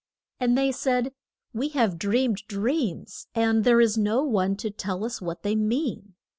And they said, We have dreamed dreams, and there is no one to tell us what they mean.